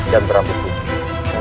dan berambut putih